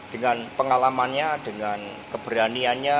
dengan pengalamannya dengan keberaniannya